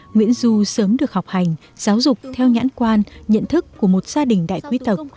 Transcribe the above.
nguyễn du sớm được học hành giáo dục theo nhãn quan nhận thức của một gia đình đại quý tộc